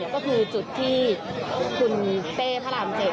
ก็คือจุดที่คุณเต้พระราม๗